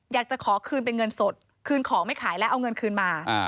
อยากจะขอคืนเป็นเงินสดคืนของไม่ขายแล้วเอาเงินคืนมา